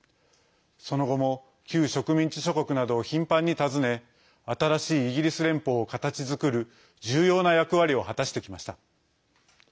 その後も、旧植民地諸国などを頻繁に訪ね新しいイギリス連邦を形づくる重要な役割を果たしてきました。